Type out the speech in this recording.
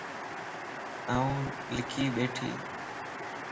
آن لکي ٻيٺي